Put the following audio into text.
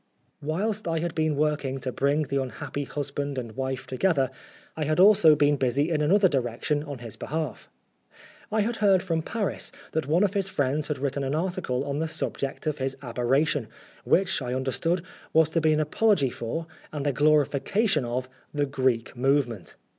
Whilst I had been working to bring the unhappy husband and wife together, I had also been busy in another direction on his behalf. I had heard from Paris that one of his friends had written an article on the subject of his aberration, which, I understood, was to be an apology for, and a glorification of, "The Greek movement."